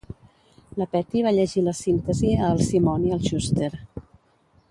La Petty va llegir la síntesi a el Simon i el Schuster.